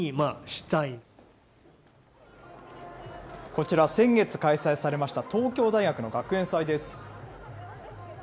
こちら、先月開催されました東京大学の学園祭です。